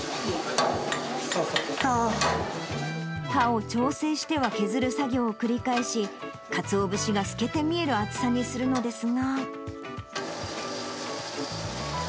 刃を調整しては削る作業を繰り返し、かつお節が透けて見える厚さにするのですが。